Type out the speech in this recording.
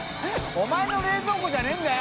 お前の冷蔵庫じゃねぇんだよ！